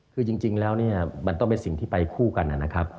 คือจริงแล้วเนี่ยมันต้องเป็นสิ่งที่ไปคู่กันนะครับ